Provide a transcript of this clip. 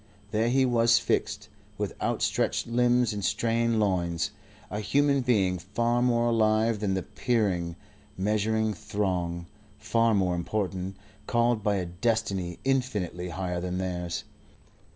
There he was fixed, with outstretched limbs and strained loins, a human being far more alive than the peering, measuring throng, far more important, called by a destiny infinitely higher than theirs.